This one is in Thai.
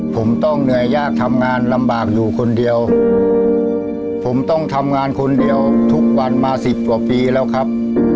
ผมต้องเหนื่อยยากทำงานลำบากอยู่คนเดียวผมต้องทำงานคนเดียวทุกวันมาสิบกว่าปีแล้วครับ